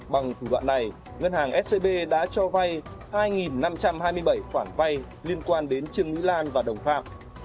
bằng thủ đoạn này ngân hàng scb đã cho vay hai năm trăm hai mươi bảy khoản vay liên quan đến trương mỹ lan và đồng phạm